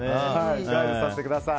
ガイドさせてください。